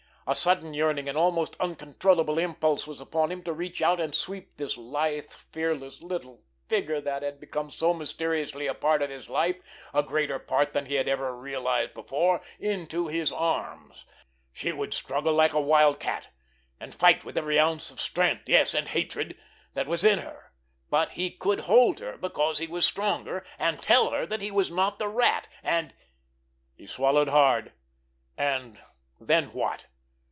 A sudden yearning, an almost uncontrollable impulse was upon him to reach out and sweep this lithe, fearless little figure that had become so mysteriously a part of his life, a greater part than he had ever realized before, into his arms. She would struggle like a wild cat, and fight with every ounce of strength, yes, and hatred, that was in her, but he could hold her because he was the stronger, and tell her that he was not the Rat, and—— He swallowed hard. And then what?